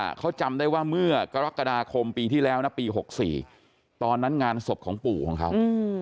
นี่ต้องจำได้ว่าเมื่อกาลากะดาคมปีที่แล้วนะปี๖๔ตอนนั้นงานศพของปู่ของเขา